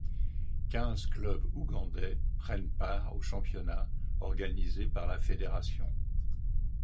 Quinze clubs ougandais prennent part au championnat organisé par la fédération.